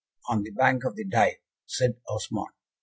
"On the bank of the Dive," said Osmond.